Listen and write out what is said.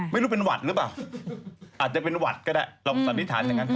ไม่รู้เป็นหวัดหรือเปล่า